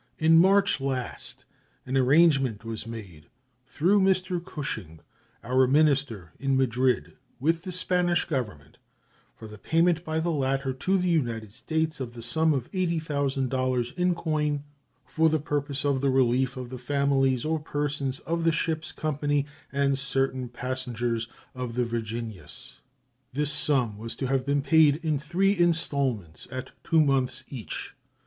In March last an arrangement was made, through Mr. Cushing, our minister in Madrid, with the Spanish Government for the payment by the latter to the United States of the sum of $80,000 in coin, for the purpose of the relief of the families or persons of the ship's company and certain passengers of the Virginius. This sum was to have been paid in three installments at two months each.